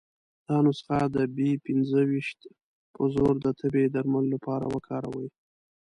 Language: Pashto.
دا نسخه د بي پنځه ویشت په زور د تبې درملو لپاره وکاروي.